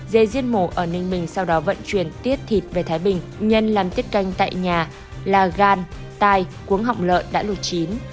dê giết mổ ở ninh bình sau đó vận chuyển tiết thịt về thái bình nhân làm tiết canh tại nhà là gan tai cuốn họng lợn đã lụt chín